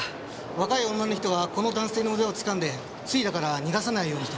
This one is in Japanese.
若い女の人がこの男性の腕をつかんでスリだから逃がさないようにと。